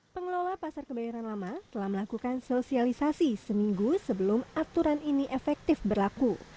pengelola pasar kebayoran lama telah melakukan sosialisasi seminggu sebelum aturan ini efektif berlaku